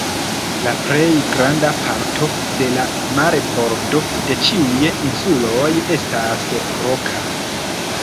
La plej granda parto de la marbordo de ĉiuj insuloj estas roka.